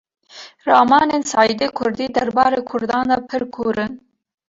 Ramanên Seîdê Kurdî derbarê Kurdan de pir kûr in